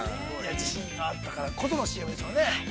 自信があったからこそのＣＭですね。